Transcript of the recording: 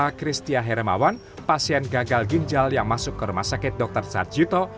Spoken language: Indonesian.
kristia hermawan pasien gagal ginjal yang masuk ke rumah sakit dr sarjito